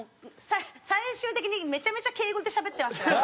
最終的にめちゃめちゃ敬語でしゃべってましたから。